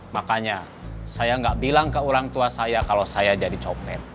makanya saya nggak bilang ke orang tua saya kalau saya jadi coknet